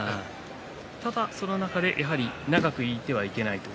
ただその中で長くいてはいけないと。